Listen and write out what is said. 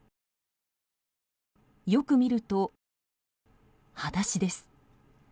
よく見ると裸足です。